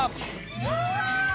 うわ！